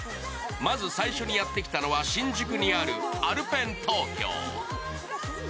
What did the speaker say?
まず最初にやってきたのは、新宿にあるアルペン東京。